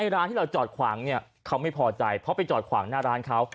ร้านที่เราจอดขวางเนี่ยเขาไม่พอใจเพราะไปจอดขวางหน้าร้านเขา